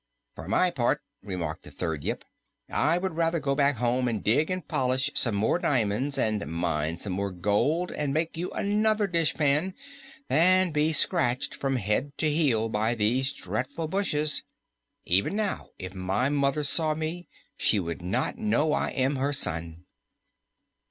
"For my part," remarked a third Yip, "I would rather go back home and dig and polish some more diamonds and mine some more gold and make you another dishpan than be scratched from head to heel by these dreadful bushes. Even now, if my mother saw me, she would not know I am her son."